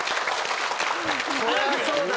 そりゃそうだ。